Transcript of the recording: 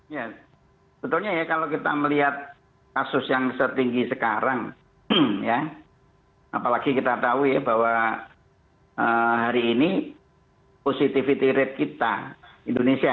ya sebetulnya ya kalau kita melihat kasus yang setinggi sekarang ya apalagi kita tahu ya bahwa hari ini positivity rate kita indonesia